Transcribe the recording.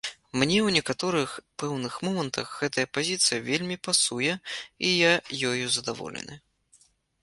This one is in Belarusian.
Мне ў некаторых пэўных момантах гэтая пазіцыя вельмі пасуе і я ёю задаволены.